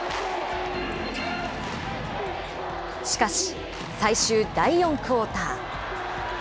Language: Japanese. しかし、最終第４クオーター。